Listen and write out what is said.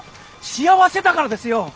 幸せだからですよ。